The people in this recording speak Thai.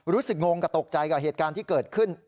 งงกับตกใจกับเหตุการณ์ที่เกิดขึ้น